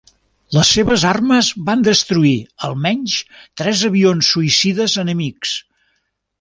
Les seves armes van destruir al menys tres avions suïcides enemics.